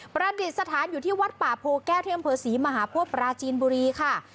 ประดิษฐานอยู่ที่วัดป่าโพแก้วที่อำเภอศรีมหาโพธิปราจีนบุรีค่ะ